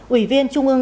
ủy viên trung ương